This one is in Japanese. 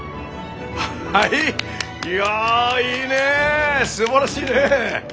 はいいやいいねすばらしいね！